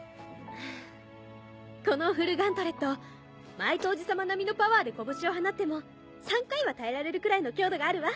このフルガントレットマイトおじ様並みのパワーで拳を放っても３回は耐えられるくらいの強度があるわ。